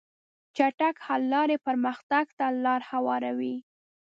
چټک حل لارې پرمختګ ته لار هواروي.